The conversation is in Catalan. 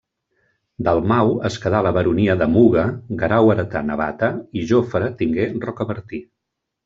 Dalmau es quedà la baronia de Muga, Guerau heretà Navata i Jofre tingué Rocabertí.